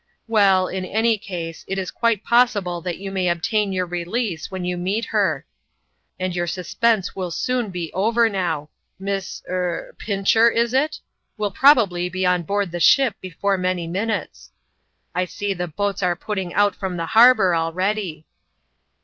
" Well, in any case, it is quite possible that you may obtain your release when you meet her ; and your suspense will soon be over now. Miss er Pincher, is it? will probably be on board the ship before many minutes. I see the boats are putting out from the harbor already."